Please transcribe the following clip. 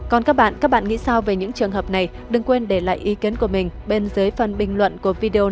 còn các bạn các bạn nghĩ sao về những trường hợp này đừng quên để lại ý kiến của mình bên dưới phần bình luận của video